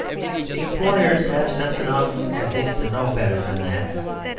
The employers have sense enough at least to know better than that.